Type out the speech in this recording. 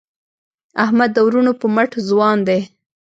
احمد د وروڼو په مټ ځوان دی.